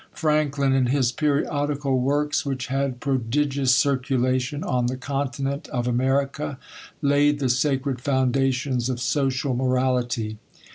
Franklin, in his periodical works, which had prodi gious circulation on the continent of America, laid die sacred foundations of social morality.